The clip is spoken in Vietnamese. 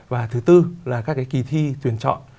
và thứ tư là các cái kỳ thi tuyển chọn